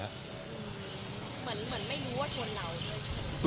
เหมือนไม่รู้ว่าชนเราด้วย